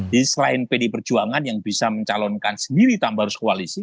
jadi selain pd perjuangan yang bisa mencalonkan sendiri tambah harus koalisi